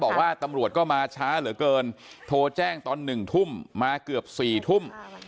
บอกว่าตำรวจก็มาช้าเหลือเกินโทรแจ้งตอน๑ทุ่มมาเกือบ๔ทุ่ม